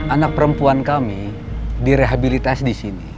anak perempuan kami direhabilitas disini